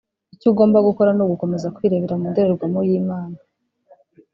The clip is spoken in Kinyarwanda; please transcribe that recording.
icyo ugomba gukora ni ugukomeza kwirebera mu ndorerwamo y'Imana